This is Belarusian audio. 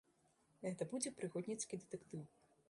Гэта будзе прыгодніцкі дэтэктыў.